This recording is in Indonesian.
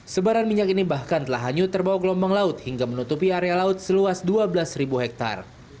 sebaran minyak ini bahkan telah hanyut terbawa gelombang laut hingga menutupi area laut seluas dua belas hektare